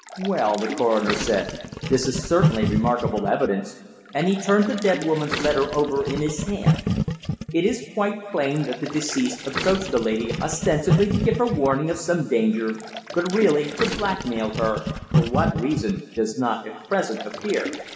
"Well," the coroner said, "this is certainly remarkable evidence," and he turned the dead woman's letter over in his hand. "It is quite plain that the deceased approached the lady ostensibly to give her warning of some danger, but really to blackmail her; for what reason does not at present appear.